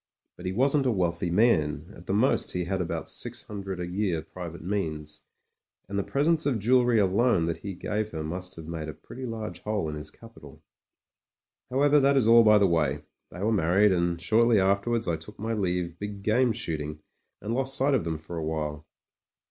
But he wasn't a wealthy man — ^at the most he had about six hundred a year private means — ^and the presents of jewellery alone that he gave her must have made a pretty large hole in his capital. However that is all by the way. They were mar ried, and shortly afterwards I took my leave big game shooting and lost sight of them for a while.